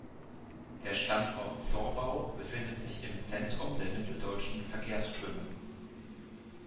Der Standort Zorbau befindet sich im Zentrum der mitteldeutschen Verkehrsströme.